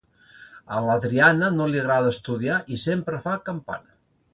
A l'Adriana no li agrada estudiar i sempre fa campana: